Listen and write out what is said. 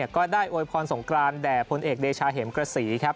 ก็ได้อวยพรสงกรานแด่พลเอกเดชาเห็มกระสีครับ